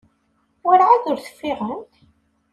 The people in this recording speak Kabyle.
Werɛad ur teffiɣemt?